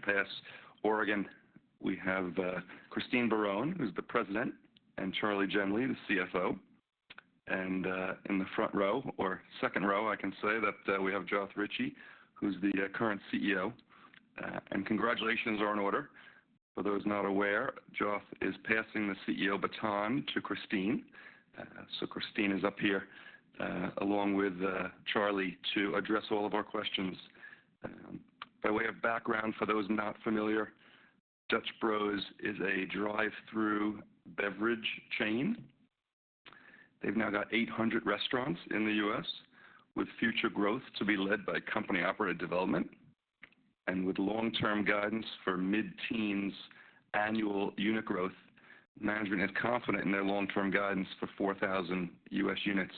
Grants Pass, Oregon, we have Christine Barone, who's the president, and Charley Jemley, the Chief Financial Officer. In the front row or second row, I can say that we have Joth Ricci, who's the current Chief Executive Officer. Congratulations are in order. For those not aware, Joth is passing the Chief Executive Officer baton to Christine. So Christine is up here, along with Charley, to address all of our questions. By way of background, for those not familiar, Dutch Bros is a drive-through beverage chain. They've now got 800 restaurants in the U.S., with future growth to be led by company-operated development. And with long-term guidance for mid-teens annual unit growth, management is confident in their long-term guidance for 4,000 U.S. units,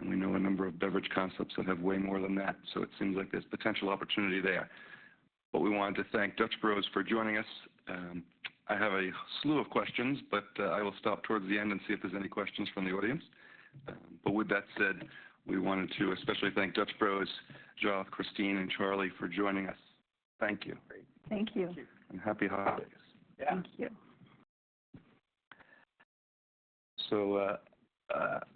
and we know a number of beverage concepts that have way more than that, so it seems like there's potential opportunity there. We wanted to thank Dutch Bros for joining us. I have a slew of questions, but I will stop toward the end and see if there's any questions from the audience. But with that said, we wanted to especially thank Dutch Bros, Joth, Christine, and Charley, for joining us. Thank you. Great. Thank you. Thank you. Happy holidays. Yeah. Thank you. So,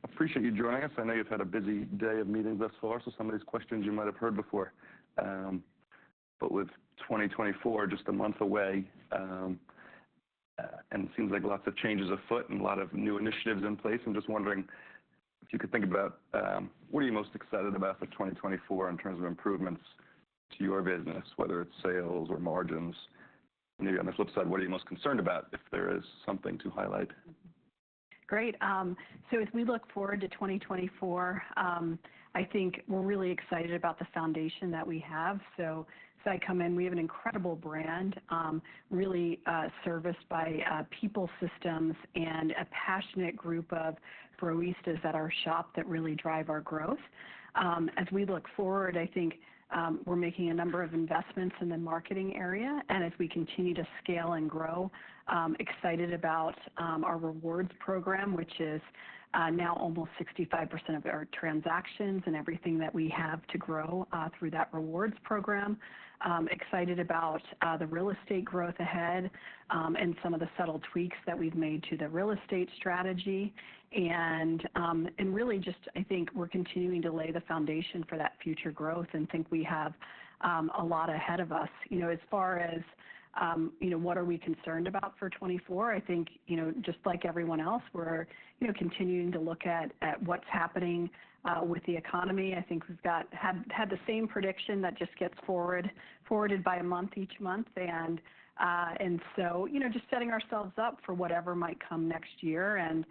appreciate you joining us. I know you've had a busy day of meetings thus far, so some of these questions you might have heard before. But with 2024 just a month away, and it seems like lots of changes afoot and a lot of new initiatives in place, I'm just wondering if you could think about, what are you most excited about for 2024 in terms of improvements to your business, whether it's sales or margins? Maybe on the flip side, what are you most concerned about, if there is something to highlight? Great. So as we look forward to 2024, I think we're really excited about the foundation that we have. So, as I come in, we have an incredible brand, really serviced by people systems and a passionate group of Broistas at our shop that really drive our growth. As we look forward, I think, we're making a number of investments in the marketing area, and as we continue to scale and grow, excited about our rewards program, which is now almost 65% of our transactions and everything that we have to grow through that rewards program. Excited about the real estate growth ahead, and some of the subtle tweaks that we've made to the real estate strategy. And really just, I think we're continuing to lay the foundation for that future growth and think we have a lot ahead of us. You know, as far as, you know, what are we concerned about for 2024, I think, you know, just like everyone else, we're, you know, continuing to look at what's happening with the economy. I think we have had the same prediction that just gets forwarded by a month, each month. And so, you know, just setting ourselves up for whatever might come next year and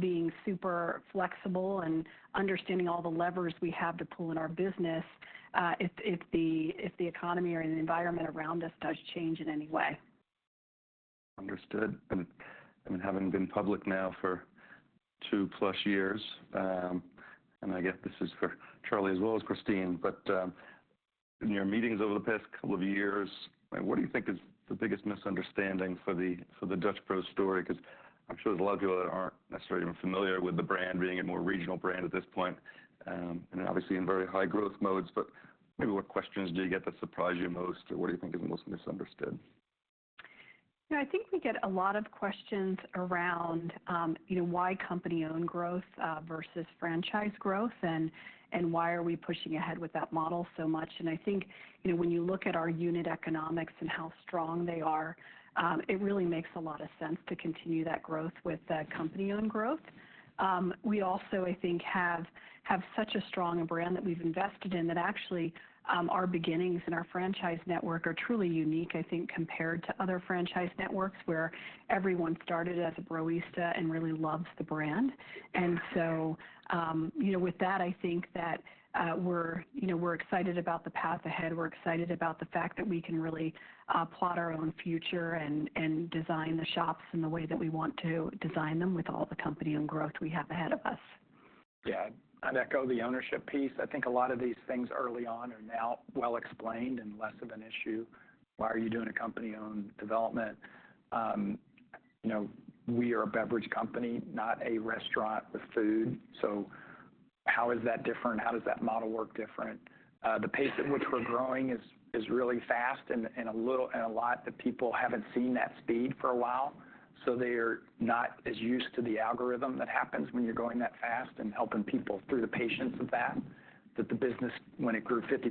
being super flexible and understanding all the levers we have to pull in our business, if the economy or the environment around us does change in any way. Understood. And, I mean, having been public now for two-plus years, and I guess this is for Charley as well as Christine, but, in your meetings over the past couple of years, what do you think is the biggest misunderstanding for the, for the Dutch Bros story? Because I'm sure there's a lot of people that aren't necessarily even familiar with the brand, being a more regional brand at this point, and obviously, in very high growth modes. But maybe what questions do you get that surprise you most, or what do you think is the most misunderstood? You know, I think we get a lot of questions around, you know, why company-owned growth versus franchise growth and why are we pushing ahead with that model so much. I think, you know, when you look at our unit economics and how strong they are, it really makes a lot of sense to continue that growth with the company-owned growth. We also, I think, have such a strong brand that we've invested in, that actually, our beginnings and our franchise network are truly unique, I think, compared to other franchise networks, where everyone started as a Broista and really loves the brand. And so, you know, with that, I think that, you know, we're excited about the path ahead. We're excited about the fact that we can really plot our own future and design the shops in the way that we want to design them, with all the company and growth we have ahead of us. Yeah. I'd echo the ownership piece. I think a lot of these things early on are now well explained and less of an issue. Why are you doing a company-owned development? You know, we are a beverage company, not a restaurant with food, so how is that different? How does that model work different? The pace at which we're growing is really fast and a little. And a lot of people haven't seen that speed for a while, so they're not as used to the algorithm that happens when you're growing that fast and helping people through the patience of that. That the business, when it grew 50%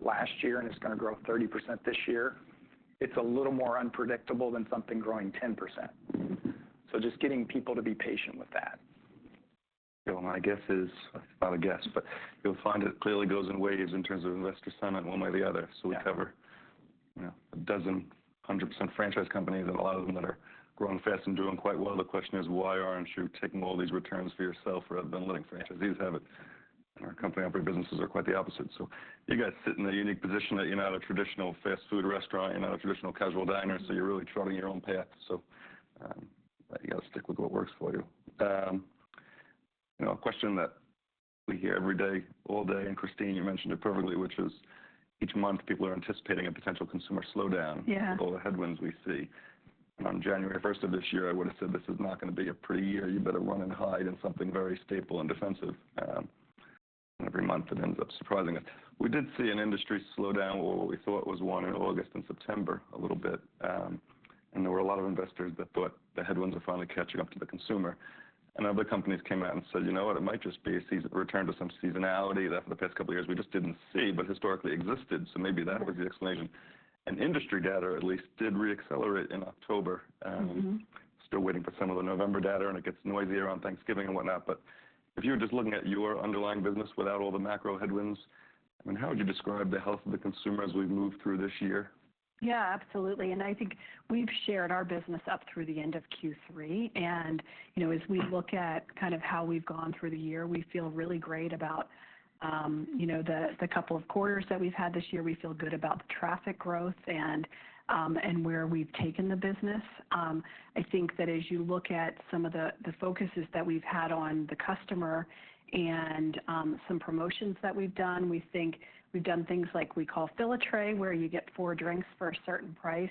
last year, and it's gonna grow 30% this year, it's a little more unpredictable than something growing 10%. So just getting people to be patient with that. Well, my guess is, not a guess, but you'll find it clearly goes in waves in terms of investor sentiment, one way or the other. Yeah. So we cover, you know, a dozen 100% franchise companies and a lot of them that are growing fast and doing quite well. The question is: Why aren't you taking all these returns for yourself rather than letting franchisees have it? Our company-operated businesses are quite the opposite. You guys sit in a unique position that you're not a traditional fast food restaurant, you're not a traditional casual diner, so you're really treading your own path. You gotta stick with what works for you. You know, a question that we hear every day, all day, and Christine, you mentioned it perfectly, which is each month, people are anticipating a potential consumer slowdown. Yeah With all the headwinds we see. On January first of this year, I would've said, "This is not gonna be a pretty year. You better run and hide in something very stable and defensive." Every month, it ends up surprising us. We did see an industry slowdown, what we thought was one in August and September, a little bit. And there were a lot of investors that thought the headwinds were finally catching up to the consumer. Other companies came out and said, "You know what? It might just be a return to some seasonality that for the past couple of years we just didn't see, but historically existed, so maybe that was the explanation." Industry data at least did reaccelerate in October. Still waiting for some of the November data, and it gets noisier around Thanksgiving and whatnot. But if you're just looking at your underlying business without all the macro headwinds, I mean, how would you describe the health of the consumer as we've moved through this year? Yeah, absolutely, and I think we've shared our business up through the end of Q3. And, you know, as we look at kind of how we've gone through the year, we feel really great about, you know, the couple of quarters that we've had this year. We feel good about the traffic growth and, and where we've taken the business. I think that as you look at some of the focuses that we've had on the customer and, some promotions that we've done, we think we've done things like we call Fill-A-Tray, where you get four drinks for a certain price.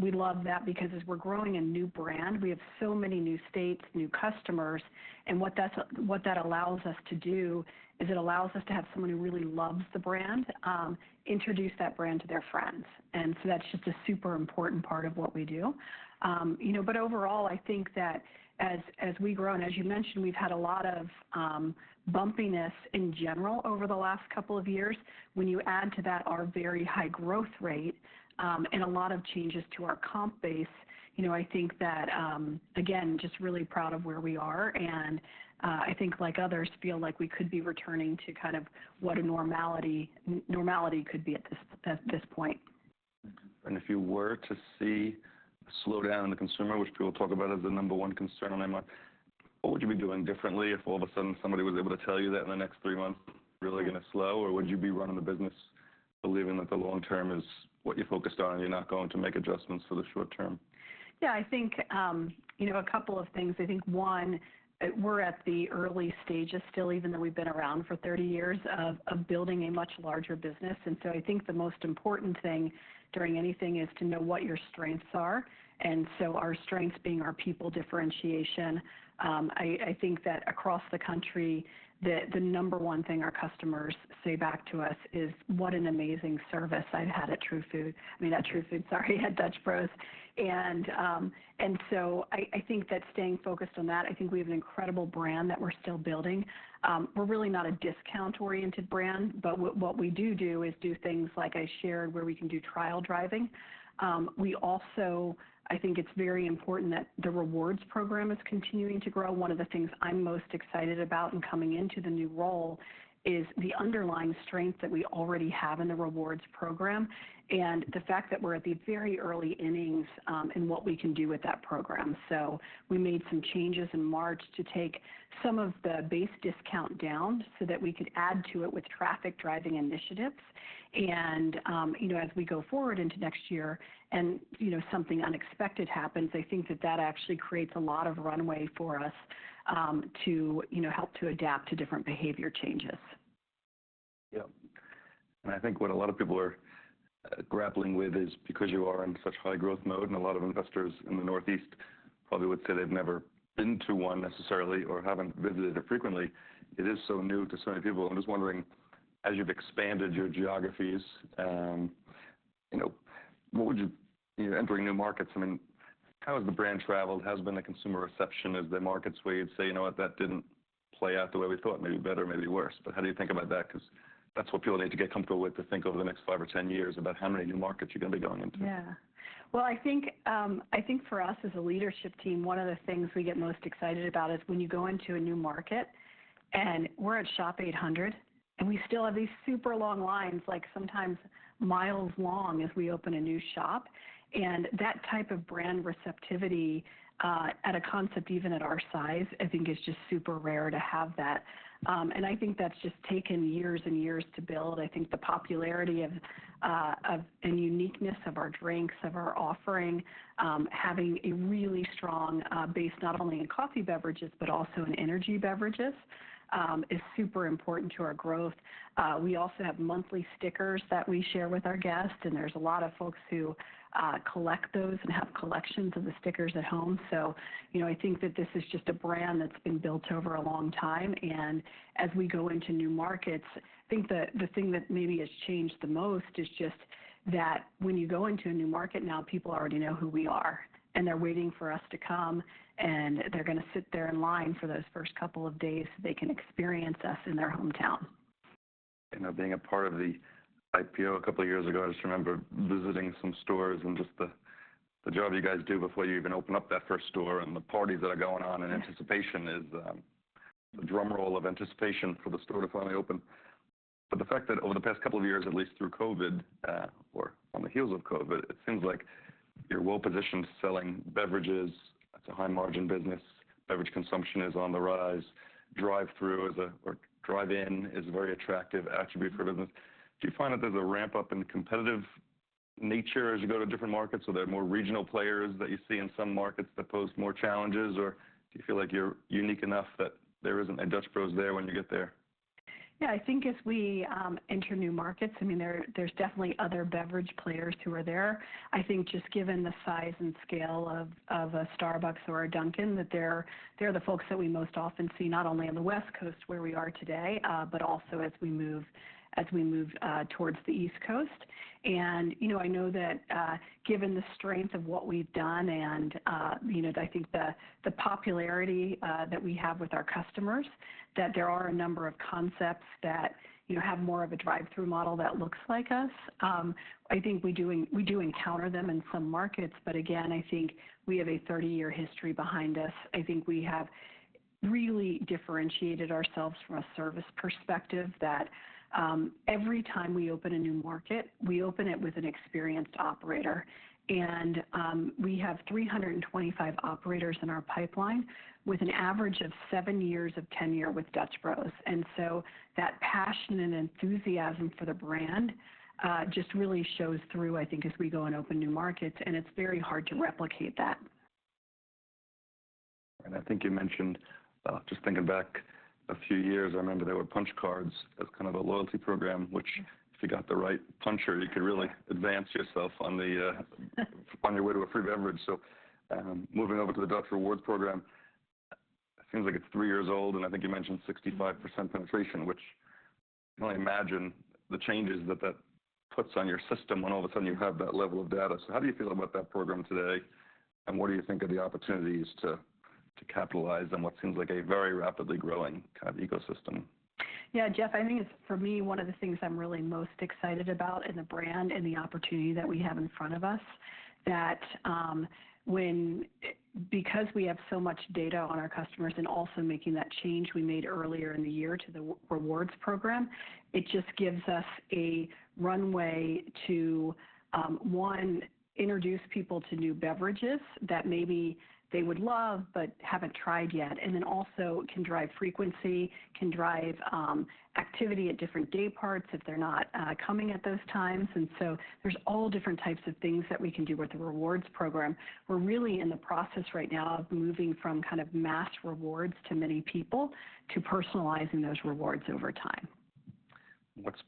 We love that because as we're growing a new brand, we have so many new states, new customers, and what that allows us to do is it allows us to have someone who really loves the brand, introduce that brand to their friends. And so that's just a super important part of what we do. You know, but overall, I think that as we grow, and as you mentioned, we've had a lot of bumpiness in general over the last couple of years. When you add to that our very high growth rate, and a lot of changes to our comp base, you know, I think that, again, just really proud of where we are, and I think, like others, feel like we could be returning to kind of what a normality could be at this point. If you were to see a slowdown in the consumer, which people talk about as the number one concern on their mind, what would you be doing differently if all of a sudden somebody was able to tell you that in the next three months, really gonna slow? Or would you be running the business, believing that the long term is what you're focused on and you're not going to make adjustments for the short term? Yeah, I think, you know, a couple of things. I think, one, we're at the early stages still, even though we've been around for 30 years of building a much larger business. And so I think the most important thing during anything is to know what your strengths are, and so our strengths being our people differentiation. I think that across the country, the number one thing our customers say back to us is, "What an amazing service I've had at True Food!" I mean, not True Food, sorry, at Dutch Bros. And so I think that staying focused on that. I think we have an incredible brand that we're still building. We're really not a discount-oriented brand, but what we do do is do things like I shared, where we can do trial driving. we also. I think it's very important that the rewards program is continuing to grow. One of the things I'm most excited about in coming into the new role is the underlying strength that we already have in the rewards program, and the fact that we're at the very early innings in what we can do with that program. So we made some changes in March to take some of the base discount down so that we could add to it with traffic-driving initiatives. And, you know, as we go forward into next year and, you know, something unexpected happens, I think that that actually creates a lot of runway for us, to, you know, help to adapt to different behaviour changes. Yeah. I think what a lot of people are grappling with is, because you are in such high growth mode, and a lot of investors in the Northeast probably would say they've never been to one necessarily or haven't visited it frequently, it is so new to so many people. I'm just wondering, as you've expanded your geographies, you know, entering new markets, I mean, how has the brand travelled? How has been the consumer reception as the markets where you'd say, "You know what? That didn't play out the way we thought," maybe better, maybe worse? But how do you think about that? Because that's what people need to get comfortable with, to think over the next five or 10 years about how many new markets you're going to be going into. Yeah. Well, I think, I think for us as a leadership team, one of the things we get most excited about is when you go into a new market, and we're at shop 800, and we still have these super long lines, like sometimes miles long, as we open a new shop. And that type of brand receptivity, at a concept, even at our size, I think is just super rare to have that. And I think that's just taken years and years to build. I think the popularity of, of, and uniqueness of our drinks, of our offering, having a really strong, base, not only in coffee beverages but also in energy beverages, is super important to our growth. We also have monthly stickers that we share with our guests, and there's a lot of folks who collect those and have collections of the stickers at home. So, you know, I think that this is just a brand that's been built over a long time. And as we go into new markets, I think the thing that maybe has changed the most is just that when you go into a new market now, people already know who we are, and they're waiting for us to come, and they're gonna sit there in line for those first couple of days so they can experience us in their hometown. You know, being a part of the IPO a couple of years ago, I just remember visiting some stores and just the job you guys do before you even open up that first store and the parties that are going on in- Yeah... anticipation is, the drum roll of anticipation for the store to finally open. But the fact that over the past couple of years, at least through COVID, or on the heels of COVID, it seems like you're well-positioned selling beverages. That's a high-margin business. Beverage consumption is on the rise. Drive-through is or drive-in is a very attractive attribute for business. Do you find that there's a ramp-up in the competitive nature as you go to different markets? So there are more regional players that you see in some markets that pose more challenges, or do you feel like you're unique enough that there is a Dutch Bros there when you get there? Yeah, I think as we enter new markets, I mean, there, there's definitely other beverage players who are there. I think just given the size and scale of a Starbucks or a Dunkin', that they're the folks that we most often see, not only on the West Coast, where we are today, but also as we move towards the East Coast. And, you know, I know that, given the strength of what we've done, and, you know, I think the popularity that we have with our customers, that there are a number of concepts that, you know, have more of a drive-through model that looks like us. I think we do encounter them in some markets, but again, I think we have a 30 year history behind us. I think we have really differentiated ourselves from a service perspective, that every time we open a new market, we open it with an experienced operator. We have 325 operators in our pipeline, with an average of seven years of tenure with Dutch Bros. And so that passion and enthusiasm for the brand just really shows through, I think, as we go and open new markets, and it's very hard to replicate that. And I think you mentioned, just thinking back a few years, I remember there were punch cards as kind of a loyalty program, which if you got the right puncher, you could really advance yourself on your way to a free beverage. So, moving over to the Dutch Rewards program, it seems like it's three years old, and I think you mentioned 65% penetration, which I can only imagine the changes that that puts on your system when all of a sudden you have that level of data. So how do you feel about that program today, and what do you think are the opportunities to capitalize on what seems like a very rapidly growing kind of ecosystem? Yeah, Jeff, I think it's, for me, one of the things I'm really most excited about in the brand and the opportunity that we have in front of us, that because we have so much data on our customers and also making that change we made earlier in the year to the rewards program, it just gives us a runway to one, introduce people to new beverages that maybe they would love but haven't tried yet, and then also can drive frequency, can drive activity at different day parts if they're not coming at those times. And so there's all different types of things that we can do with the rewards program. We're really in the process right now of moving from kind of mass rewards to many people, to personalizing those rewards over time. What's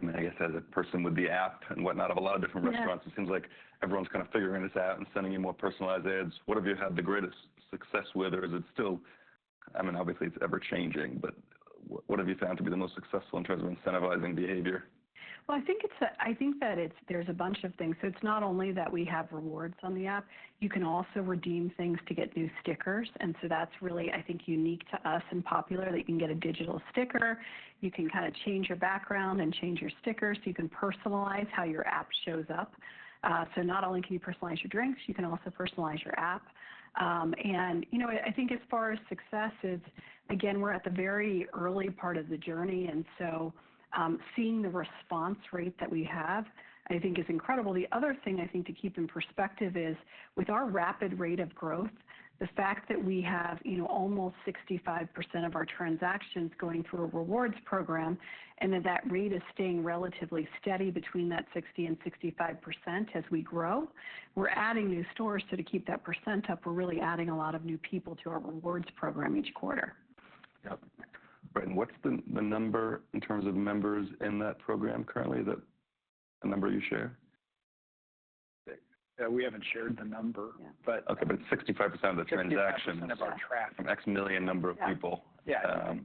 been—I mean, I guess, as a person with the app and whatnot, of a lot of different restaurants- Yeah... it seems like everyone's kind of figuring this out and sending you more personalized ads. What have you had the greatest success with, or is it still, I mean, obviously it's ever-changing, but what have you found to be the most successful in terms of incentivizing behavior? Well, I think it's, I think that it's, there's a bunch of things. So it's not only that we have rewards on the app, you can also redeem things to get new stickers, and so that's really, I think, unique to us and popular, that you can get a digital sticker. You can kinda change your background and change your stickers. You can personalize how your app shows up. So not only can you personalize your drinks, you can also personalize your app. And, you know, I, I think as far as success is, again, we're at the very early part of the journey, and so, seeing the response rate that we have, I think is incredible. The other thing I think to keep in perspective is, with our rapid rate of growth, the fact that we have, you know, almost 65% of our transactions going through a rewards program, and that that rate is staying relatively steady between that 60% and 65% as we grow. We're adding new stores, so to keep that percent up, we're really adding a lot of new people to our rewards program each quarter. Yep. Brenton, what's the number in terms of members in that program currently, the number you share? Yeah, we haven't shared the number- Yeah. But- Okay, but it's 65% of the transactions. 65% of our traffic. X million number of people. Yeah. Yeah.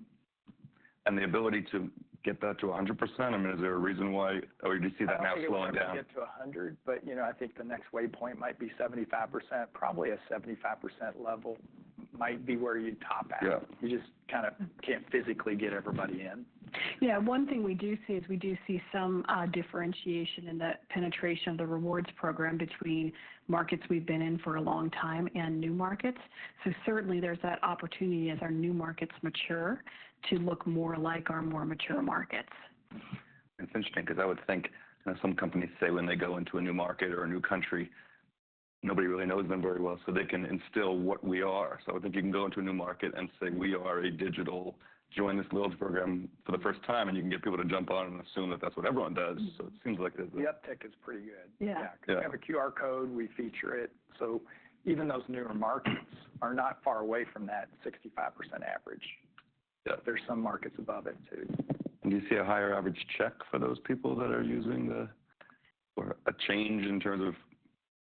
And the ability to get that to 100%, I mean, is there a reason why, or do you see that now slowing down? I don't know if we'll ever get to 100, but, you know, I think the next waypoint might be 75%. Probably a 75% level might be where you'd top out. Yeah. You just kind of can't physically get everybody in. Yeah, one thing we do see is, we do see some differentiation in the penetration of the rewards program between markets we've been in for a long time and new markets. So certainly there's that opportunity, as our new markets mature, to look more like our more mature markets. It's interesting because I would think, you know, some companies say when they go into a new market or a new country, nobody really knows them very well, so they can instill what we are. So I would think you can go into a new market and say, "We are a digital... Join this loyalty program," for the first time, and you can get people to jump on and assume that that's what everyone does. So it seems like The uptick is pretty good. Yeah. Yeah. Yeah. We have a QR code, we feature it. So even those newer markets are not far away from that 65% average. There, there are some markets above it, too. Do you see a higher average check for those people that are using the... Or a change in terms of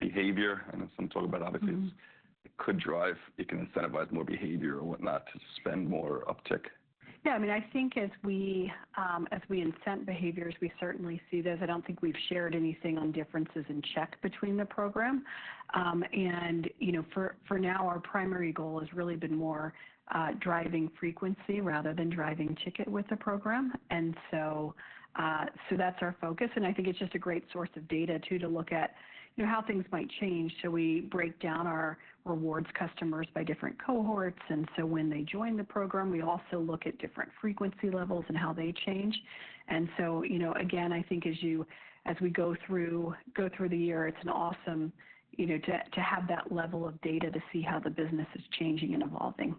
behavior? I know some talk about obviously-... it could drive, it can incentivize more behavior or whatnot, to spend more uptick. Yeah, I mean, I think as we as we incent behaviors, we certainly see this. I don't think we've shared anything on differences in check between the program. And, you know, for now, our primary goal has really been more driving frequency rather than driving ticket with the program. And so, so that's our focus, and I think it's just a great source of data, too, to look at, you know, how things might change. So we break down our rewards customers by different cohorts, and so when they join the program, we also look at different frequency levels and how they change. And so, you know, again, I think as we go through the year, it's an awesome, you know, to have that level of data to see how the business is changing and evolving.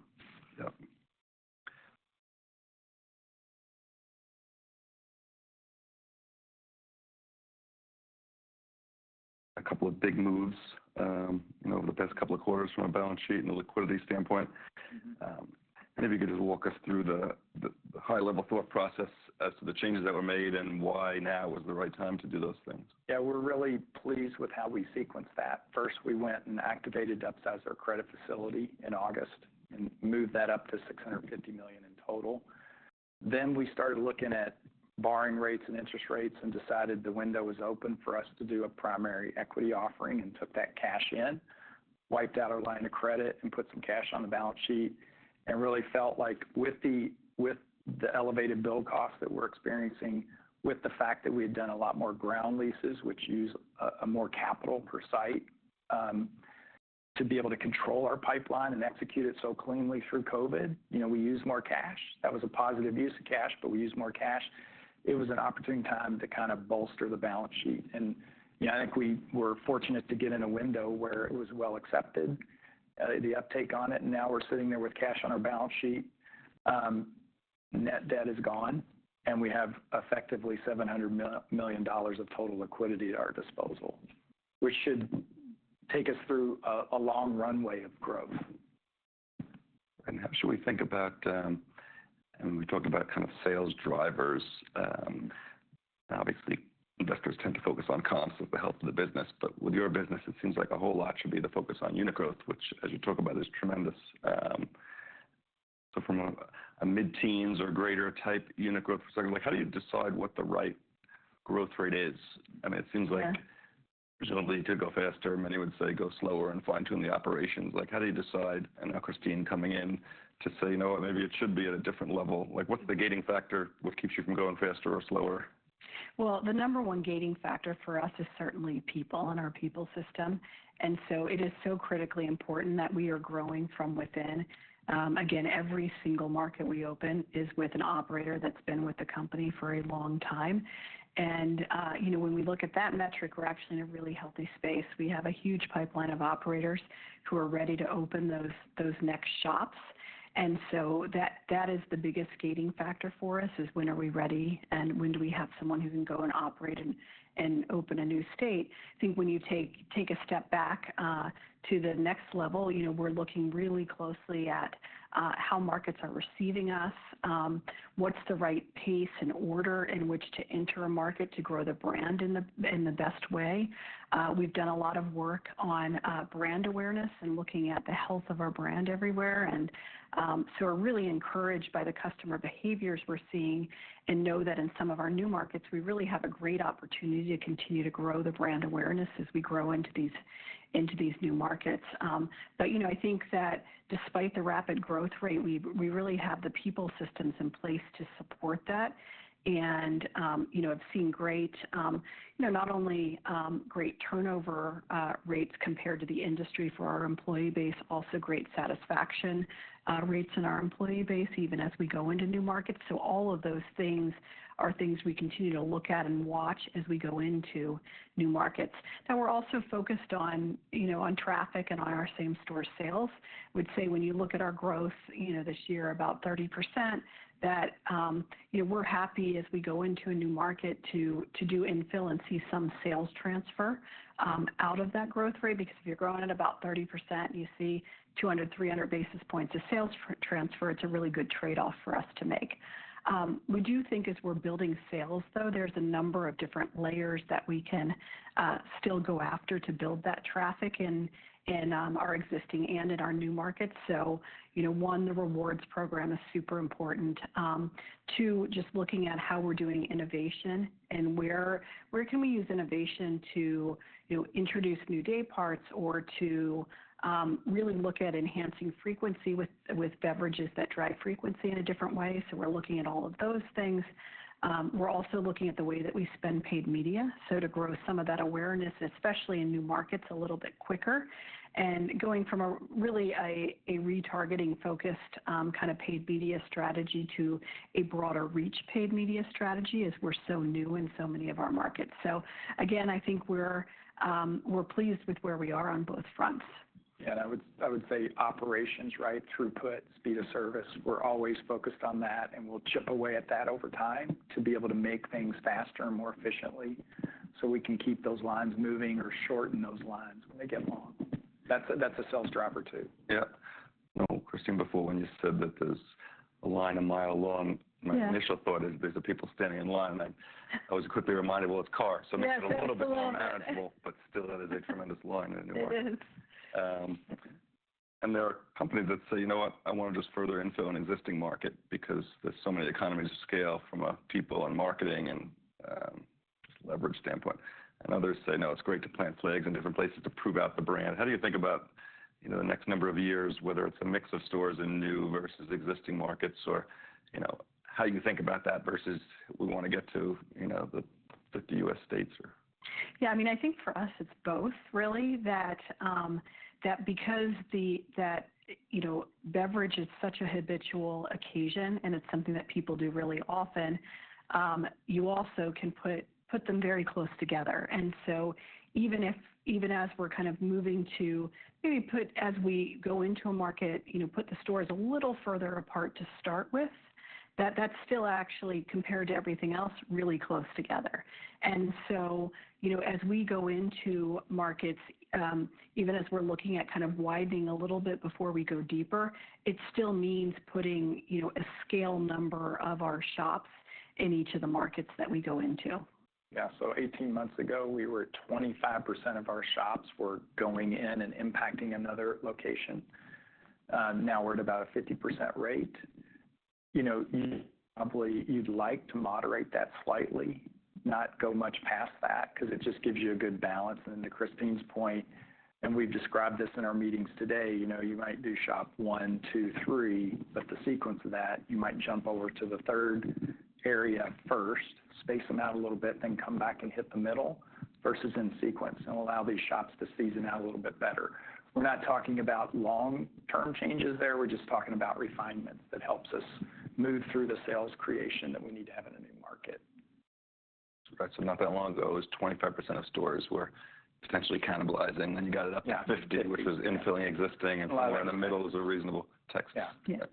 Yep... a couple of big moves, you know, over the past couple of quarters from a balance sheet and a liquidity standpoint. If you could just walk us through the high level thought process as to the changes that were made, and why now was the right time to do those things? Yeah, we're really pleased with how we sequenced that. First, we went and activated to upsize our credit facility in August, and moved that up to $650 million in total. Then we started looking at borrowing rates and interest rates, and decided the window was open for us to do a primary equity offering, and took that cash in, wiped out our line of credit, and put some cash on the balance sheet. And really felt like with the, with the elevated build costs that we're experiencing, with the fact that we had done a lot more ground leases, which use a more capital per site, to be able to control our pipeline and execute it so cleanly through COVID, you know, we used more cash. That was a positive use of cash, but we used more cash. It was an opportune time to kind of bolster the balance sheet. And, yeah, I think we were fortunate to get in a window where it was well accepted, the uptake on it, and now we're sitting there with cash on our balance sheet. Net debt is gone, and we have effectively $700 million of total liquidity at our disposal, which should take us through a long runway of growth. How should we think about... When we talk about kind of sales drivers, obviously, investors tend to focus on comps with the health of the business, but with your business, it seems like a whole lot should be the focus on unit growth, which, as you talk about, is tremendous. So from a mid-teens or greater type unit growth perspective, like, how do you decide what the right growth rate is? I mean, it seems like- Yeah... presumably you could go faster. Many would say, go slower and fine-tune the operations. Like, how do you decide, and now, Christine coming in, to say, "You know what? Maybe it should be at a different level." Like, what's the gating factor? What keeps you from going faster or slower? Well, the number one gating factor for us is certainly people and our people system, and so it is so critically important that we are growing from within. Again, every single market we open is with an operator that's been with the company for a long time. And, you know, when we look at that metric, we're actually in a really healthy space. We have a huge pipeline of operators who are ready to open those next shops, and so that is the biggest gating factor for us, is when are we ready, and when do we have someone who can go and operate and open a new state? I think when you take a step back to the next level, you know, we're looking really closely at how markets are receiving us. What's the right pace and order in which to enter a market to grow the brand in the, in the best way? We've done a lot of work on brand awareness and looking at the health of our brand everywhere. And so we're really encouraged by the customer behaviors we're seeing, and know that in some of our new markets, we really have a great opportunity to continue to grow the brand awareness as we grow into these, into these new markets. But you know, I think that despite the rapid growth rate, we really have the people systems in place to support that. You know, I've seen great, you know, not only great turnover rates compared to the industry for our employee base, also great satisfaction rates in our employee base, even as we go into new markets. All of those things are things we continue to look at and watch as we go into new markets. Now, we're also focused on, you know, on traffic and on our same-store sales. I would say, when you look at our growth, you know, this year, about 30%, that, you know, we're happy as we go into a new market to do infill and see some sales transfer out of that growth rate. Because if you're growing at about 30%, you see 200-300 basis points of sales transfer, it's a really good trade-off for us to make. We do think as we're building sales, though, there's a number of different layers that we can still go after to build that traffic in our existing and in our new markets. So, you know, one, the rewards program is super important. Two, just looking at how we're doing innovation, and where can we use innovation to, you know, introduce new day parts or to really look at enhancing frequency with beverages that drive frequency in a different way. So we're looking at all of those things. We're also looking at the way that we spend paid media, so to grow some of that awareness, especially in new markets, a little bit quicker, and going from a really retargeting-focused, kind of, paid media strategy to a broader reach paid media strategy, as we're so new in so many of our markets. So again, I think we're pleased with where we are on both fronts. Yeah, and I would say operations, right, throughput, speed of service, we're always focused on that, and we'll chip away at that over time to be able to make things faster and more efficiently, so we can keep those lines moving or shorten those lines when they get long. That's a sales driver, too. Yeah. You know, Christine, before, when you said that there's a line a mile long- Yeah... my initial thought is, these are people standing in line. Then I was quickly reminded, well, it's cars. Yeah, it's cars. It makes it a little bit more manageable, but still, that is a tremendous line anymore. It is. There are companies that say, "You know what? I wanna just further infill an existing market, because there's so many economies of scale from a people and marketing and, leverage standpoint." And others say, "No, it's great to plant flags in different places to prove out the brand." How do you think about, you know, the next number of years, whether it's a mix of stores in new versus existing markets or, you know, how you think about that versus we wanna get to, you know, the 50 U.S. states or? Yeah, I mean, I think for us it's both, really. That because the, you know, beverage is such a habitual occasion, and it's something that people do really often, you also can put them very close together. And so even if, even as we're kind of moving to maybe put. As we go into a market, you know, put the stores a little further apart to start with, that's still actually compared to everything else, really close together. And so, you know, as we go into markets, even as we're looking at kind of widening a little bit before we go deeper, it still means putting, you know, a scale number of our shops in each of the markets that we go into. Yeah. So 18 months ago, we were at 25% of our shops were going in and impacting another location. Now we're at about a 50% rate. You know, probably, you'd like to moderate that slightly, not go much past that, 'cause it just gives you a good balance. And to Christine's point, and we've described this in our meetings today, you know, you might do shop one, two, three, but the sequence of that, you might jump over to the third area first, space them out a little bit, then come back and hit the middle, versus in sequence, and allow these shops to season out a little bit better. We're not talking about long-term changes there. We're just talking about refinement that helps us move through the sales creation that we need to have in a new market. Right. So not that long ago, it was 25% of stores were potentially cannibalizing, and you got it up to 50- Yeah. which is infilling existing A lot of it. In the middle is a reasonable text. Yeah. Yeah.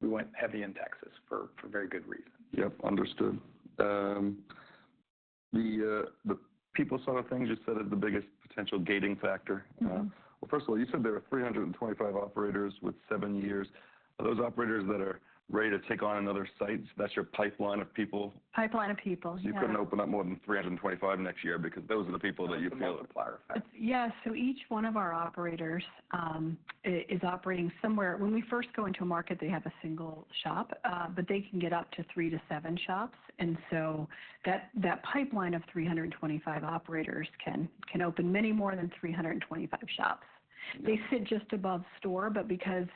We went heavy in Texas for very good reason. Yep, understood. The people side of things, you said, is the biggest potential gating factor. Well, first of all, you said there are 325 operators with seven years. Are those operators that are ready to take on another site, that's your pipeline of people? Pipeline of people, yeah. So you couldn't open up more than 325 next year because those are the people that you can apply or affect? Yes. So each one of our operators is operating somewhere. When we first go into a market, they have a single shop, but they can get up to three to seven shops. And so that pipeline of 325 operators can open many more than 325 shops. Yeah. They sit just above store, but because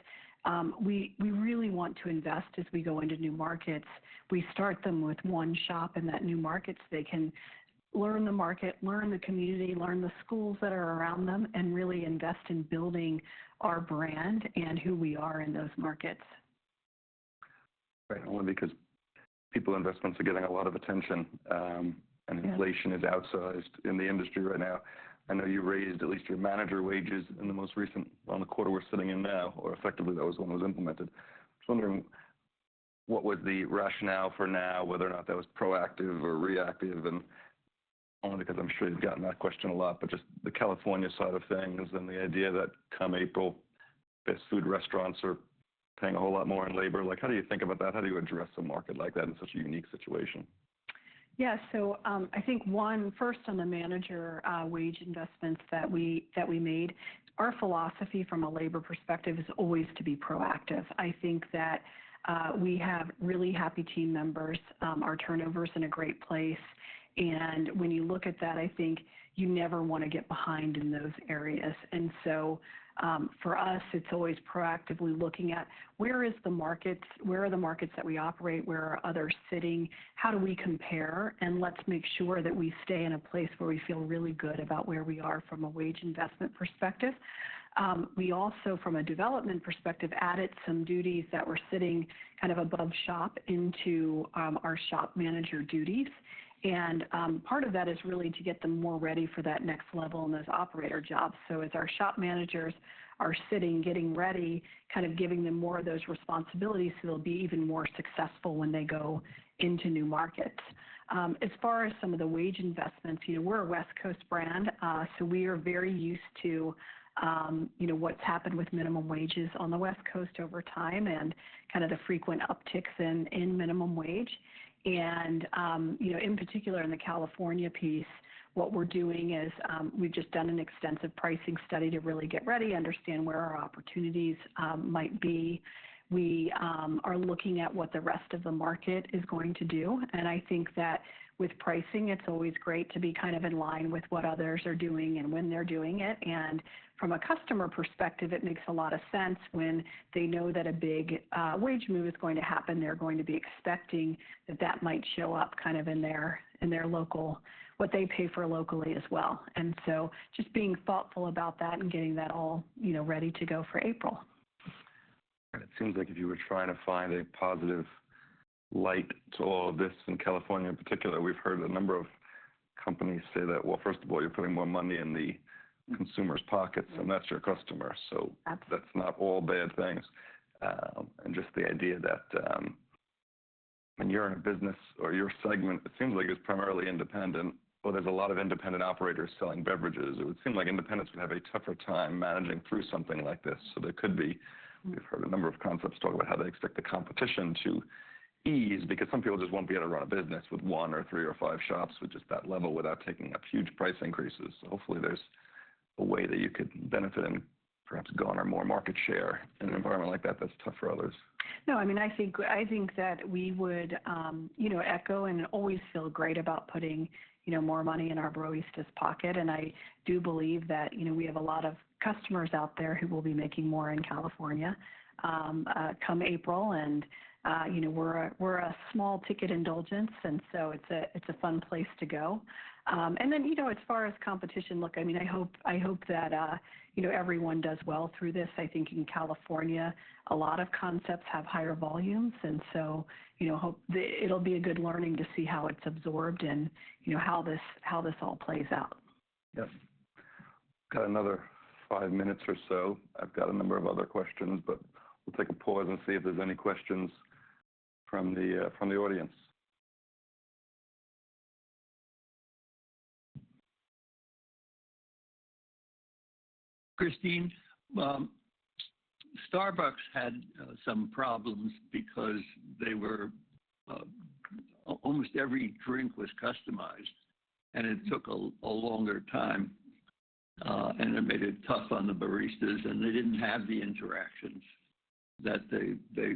we really want to invest as we go into new markets, we start them with one shop in that new market, so they can learn the market, learn the community, learn the schools that are around them, and really invest in building our brand and who we are in those markets. Right. Only because people investments are getting a lot of attention, Yeah And inflation is outsized in the industry right now. I know you raised at least your manager wages in the most recent, on the quarter we're sitting in now, or effectively, that was when it was implemented. Just wondering, what was the rationale for now, whether or not that was proactive or reactive? And only because I'm sure you've gotten that question a lot, but just the California side of things and the idea that come April, fast food restaurants are paying a whole lot more in labor. Like, how do you think about that? How do you address a market like that in such a unique situation? Yeah. So, I think, one, first, on the manager wage investments that we, that we made, our philosophy from a labor perspective is always to be proactive. I think that, we have really happy team members. Our turnover is in a great place, and when you look at that, I think you never wanna get behind in those areas. And so, for us, it's always proactively looking at where the markets that we operate, where are others sitting, how do we compare, and let's make sure that we stay in a place where we feel really good about where we are from a wage investment perspective. We also, from a development perspective, added some duties that were sitting kind of above shop into our shop manager duties. Part of that is really to get them more ready for that next level in those operator jobs. So as our shop managers are sitting, getting ready, kind of giving them more of those responsibilities, so they'll be even more successful when they go into new markets. As far as some of the wage investments, you know, we're a West Coast brand, so we are very used to, you know, what's happened with minimum wages on the West Coast over time and kind of the frequent upticks in minimum wage. You know, in particular, in the California piece, what we're doing is, we've just done an extensive pricing study to really get ready, understand where our opportunities might be. We are looking at what the rest of the market is going to do, and I think that with pricing, it's always great to be kind of in line with what others are doing and when they're doing it. And from a customer perspective, it makes a lot of sense when they know that a big wage move is going to happen. They're going to be expecting that that might show up kind of in their, in their local—what they pay for locally as well. And so just being thoughtful about that and getting that all, you know, ready to go for April. It seems like if you were trying to find a positive light to all of this, in California in particular, we've heard a number of companies say that, "Well, first of all, you're putting more money in the consumers' pockets, and that's your customer. Absolutely. That's not all bad things. And just the idea that, when you're in business or your segment, it seems like it's primarily independent, or there's a lot of independent operators selling beverages, it would seem like independents would have a tougher time managing through something like this. There could be, we've heard a number of concepts talk about how they expect the competition to ease, because some people just won't be able to run a business with one or three or five shops, with just that level, without taking up huge price increases. Hopefully, there's a way that you could benefit and perhaps go on our more market share. In an environment like that, that's tough for others. No, I mean, I think that we would, you know, echo and always feel great about putting, you know, more money in our Broistas' pocket, and I do believe that, you know, we have a lot of customers out there who will be making more in California come April. You know, we're a small ticket indulgence, and so it's a fun place to go. And then, you know, as far as competition, look, I mean, I hope that, you know, everyone does well through this. I think in California, a lot of concepts have higher volumes, and so, you know, it'll be a good learning to see how it's absorbed and, you know, how this all plays out. Yep. Got another five minutes or so. I've got a number of other questions, but we'll take a pause and see if there's any questions from the audience. Christine, Starbucks had some problems because they were almost every drink was customized, and it took a longer time, and it made it tough on the baristas, and they didn't have the interactions that they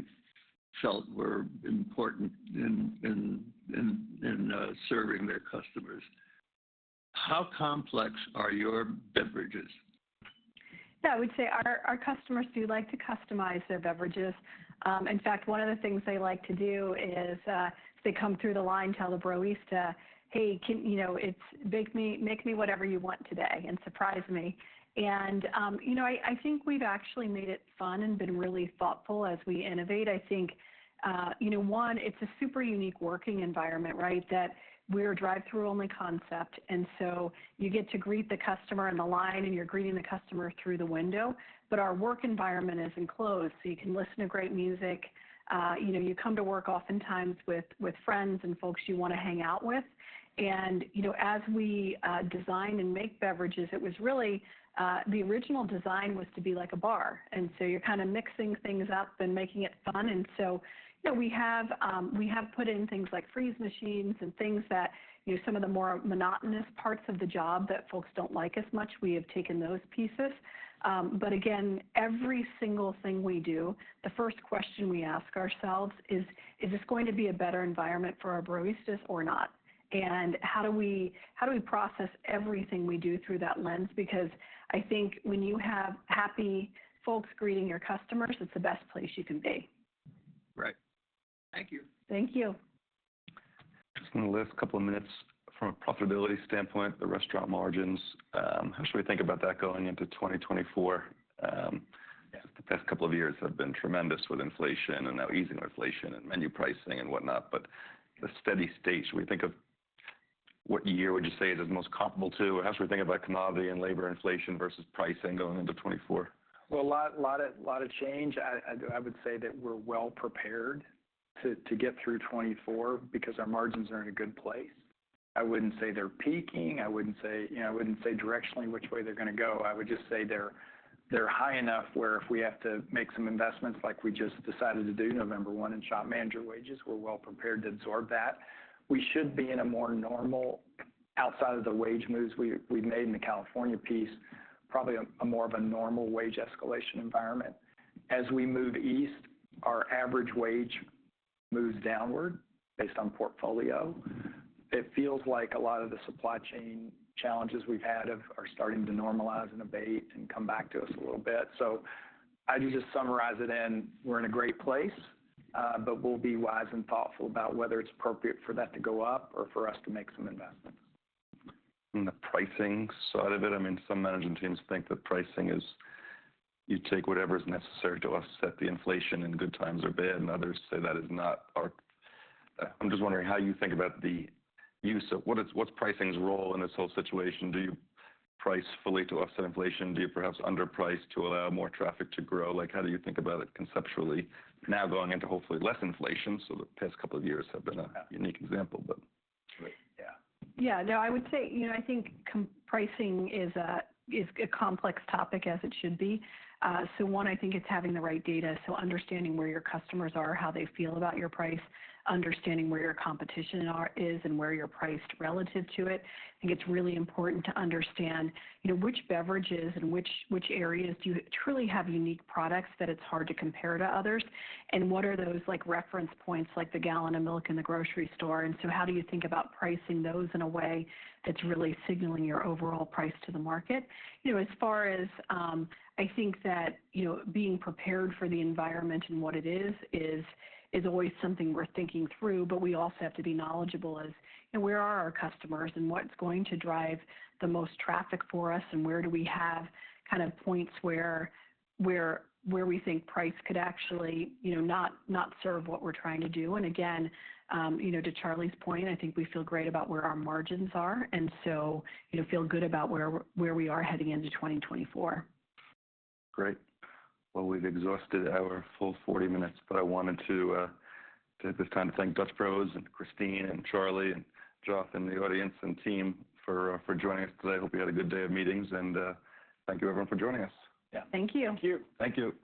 felt were important in serving their customers. How complex are your beverages? Yeah, I would say our customers do like to customize their beverages. In fact, one of the things they like to do is, if they come through the line, tell the Broista, "Hey, you know, make me whatever you want today, and surprise me." You know, I think we've actually made it fun and been really thoughtful as we innovate. I think, you know, it's a super unique working environment, right? That we're a drive-through only concept, and so you get to greet the customer in the line, and you're greeting the customer through the window. But our work environment is enclosed, so you can listen to great music. You know, you come to work oftentimes with, with friends and folks you wanna hang out with, and, you know, as we design and make beverages, it was really the original design was to be like a bar, and so you're kinda mixing things up and making it fun. And so, you know, we have, we have put in things like freeze machines and things that, you know, some of the more monotonous parts of the job that folks don't like as much, we have taken those pieces. But again, every single thing we do, the first question we ask ourselves is: Is this going to be a better environment for our broistas or not? And how do we, how do we process everything we do through that lens? Because I think when you have happy folks greeting your customers, it's the best place you can be. Right. Thank you. Thank you. Just in the last couple of minutes, from a profitability standpoint, the restaurant margins, how should we think about that going into 2024? The past couple of years have been tremendous with inflation and now easing of inflation and menu pricing and whatnot, but the steady state, should we think of... What year would you say it is the most comparable to? How should we think about commodity and labor inflation versus pricing going into 2024? Well, a lot of change. I would say that we're well-prepared to get through 2024 because our margins are in a good place. I wouldn't say they're peaking. I wouldn't say, you know, I wouldn't say directionally which way they're gonna go. I would just say they're high enough where if we have to make some investments, like we just decided to do November 1 in shop manager wages, we're well prepared to absorb that. We should be in a more normal, outside of the wage moves we've made in the California piece, probably a more normal wage escalation environment. As we move east, our average wage moves downward, based on portfolio. It feels like a lot of the supply chain challenges we've had are starting to normalize and abate and come back to us a little bit. So I'd just summarize it in, we're in a great place, but we'll be wise and thoughtful about whether it's appropriate for that to go up or for us to make some investments. On the pricing side of it, I mean, some management teams think that pricing is, you take whatever is necessary to offset the inflation in good times or bad, and others say that is not our... I'm just wondering how you think about the use of- what is, what's pricing's role in this whole situation? Do you price fully to offset inflation? Do you perhaps underprice to allow more traffic to grow? Like, how do you think about it conceptually now going into hopefully less inflation? So the past couple of years have been a unique example, but- Sure. Yeah. Yeah, no, I would say, you know, I think pricing is a, is a complex topic, as it should be. So one, I think it's having the right data, so understanding where your customers are, how they feel about your price, understanding where your competition is, and where you're priced relative to it. I think it's really important to understand, you know, which beverages and which, which areas do you truly have unique products that it's hard to compare to others, and what are those like, reference points, like the gallon of milk in the grocery store? And so how do you think about pricing those in a way that's really signaling your overall price to the market? You know, as far as, I think that, you know, being prepared for the environment and what it is, is always something worth thinking through, but we also have to be knowledgeable as, you know, where are our customers, and what's going to drive the most traffic for us, and where do we have kind of points where we think price could actually, you know, not serve what we're trying to do? And again, you know, to Charley's point, I think we feel great about where our margins are, and so, you know, feel good about where we are heading into 2024. Great. Well, we've exhausted our full 40 minutes, but I wanted to take this time to thank Dutch Bros, and Christine, and Charley, and Jonathan, the audience and team for joining us today. I hope you had a good day of meetings, and thank you, everyone, for joining us. Yeah. Thank you. Thank you. Thank you.